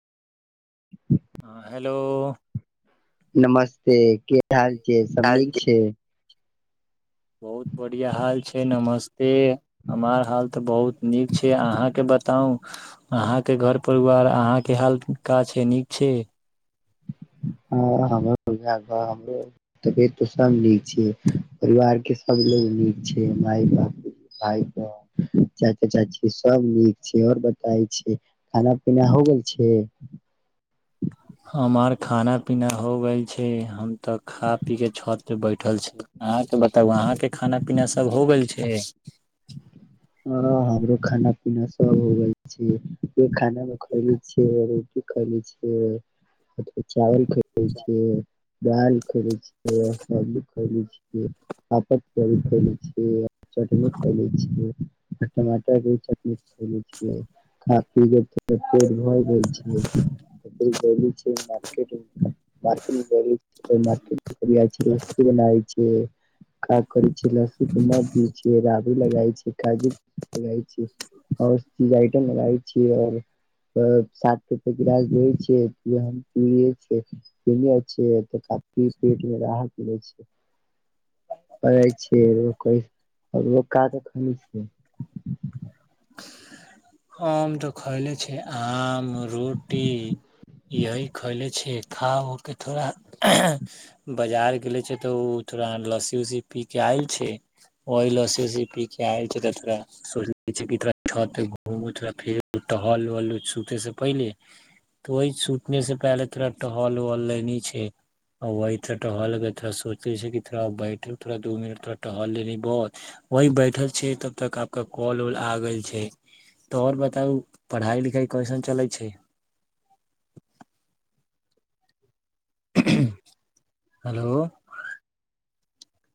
हँ हेलो [unintelligible] नमस्ते के हाल छै समनीीक छै। बहुत बढ़िआँ हाल छै नमस्ते हमार हाल तऽ बहुत नीक छै अहाँकेँ बताउ -अहाँके घर परिवार अहाँके हाल का छै नीक छै। हँ हम हमरो तबियत सब नीक छै परिवार के सब लो नीक छै माय बाप भ ब चाचा चाची सब नीक छै आओर बताै छै खाना पीना हो गेल छै। [unintelligible] हमर खाना पीना हो ग छै हम तऽ खा पी के छत पे बैठल छी अहाँके बताउ अहा के खाना पीना सब हो ग छै। [unintelligible] ह हमरो खाना पीना सब होब छै खाना मे खैले छियै रोटी खैले छ चावल। [unintelligible] ै छिय। [unintelligible] दालि खयले छियै सब्जी खले छियै पापत कड़ी खले छियैटनी। खे छ टमाटर के चनी खे छिय की। पेट भर गेल छै। [unintelligible] ब मार्केटिंग। [unintelligible] मार्केट त मार्केट। बनाए छै, क करै छै लस्सी न द छै। लागय छी, काजुक लगाय छीयै, और इ आयटम लगाबै छीयै और सात रुपए ग्लास दै छीयै, इ हम पीयै छीयै, किनै छीयै, काफ़ी रेट में अहां किनै छीयै। काज अखन नइ छै। हम तऽ खएले छे आम रोटी, यही खएले छियै, खा उ के थोड़ा बाजार गेले छिय तऽ ओ थोड़ा लस्सी-उस्सी पी के आयल छै, ओही लस्सी-उस्सी पी के आयल छै तऽ थोड़ा। ू ो फेर टहल हलते से पहले त वी सुतने से पहले थोड़ा टहल हल ले छै वह थो टहल थो सोचे छै थोड़ा बैठू थोड़ा दू मिनट थो टहल ले बहुत वह बैठल छै तब तक आपक कॉल। आ गेल छै तऽ आओर बताउ पढ़ाई लिखाई कैसन चलै छै। [unintelligible] हेलो।